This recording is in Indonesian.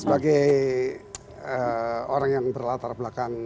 sebagai orang yang berlatar belakang